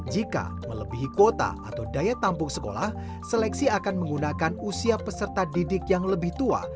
jika melebihi kuota atau daya tampung sekolah seleksi akan menggunakan usia peserta didik yang lebih tua